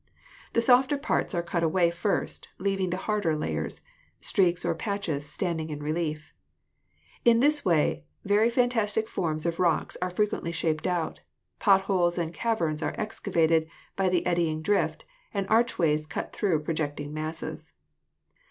The softer parts are cut away first, leaving the harder layers, streaks or patches standing in relief. In this way very fantastic forms of rocks are frequently shaped out ; pot holes and caverns are excavated by the eddying drift, and archways cut through projecting masses.